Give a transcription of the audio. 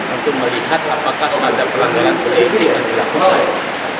untuk melihat apakah ada pelanggaran penyelidikan yang dilakukan